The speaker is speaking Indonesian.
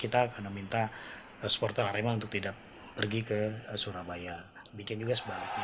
apakah anda meminta pesan untuk lari lari dan tidak berjalan jalan